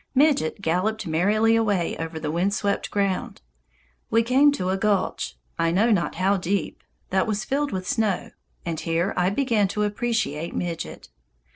Midget galloped merrily away over the wind swept ground. We came to a gulch, I know not how deep, that was filled with snow, and here I began to appreciate Midget.